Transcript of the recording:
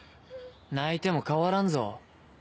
泣いても変わらんぞ。